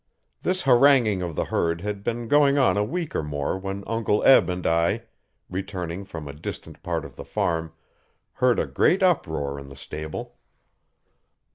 This haranguing of the herd had been going on a week or more when Uncle Eb and I, returning from a distant part of the farm, heard a great uproar in the stable.